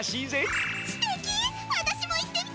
すてき！